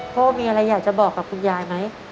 พ่อมีอะไรอยากจะบอกกับคุณยายไหม